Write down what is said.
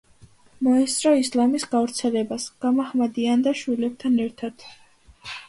მოესწრო ისლამის გავრცელებას, გამაჰმადიანდა შვილებთან ერთად.